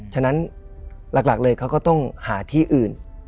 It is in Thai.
ฉะนั้นหลักเลยเขาก็ต้องหาที่อื่น